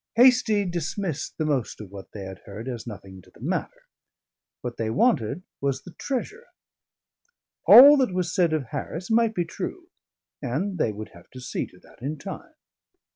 Hastie dismissed the most of what they had heard as nothing to the matter: what they wanted was the treasure. All that was said of Harris might be true, and they would have to see to that in time.